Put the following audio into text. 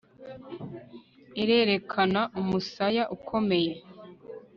irerekana umusaya ukomeye